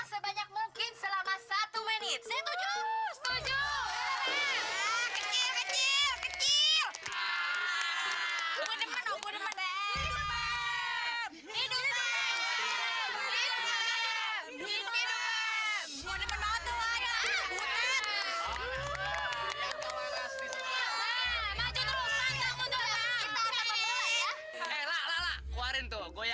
sampai jumpa di video selanjutnya